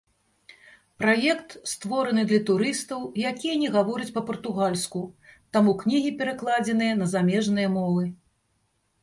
Праект створаны для турыстаў, якія не гавораць па-партугальску, таму кнігі перакладзеныя на замежныя мовы.